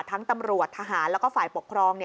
ตำรวจทหารแล้วก็ฝ่ายปกครอง